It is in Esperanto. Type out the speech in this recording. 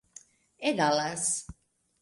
egalas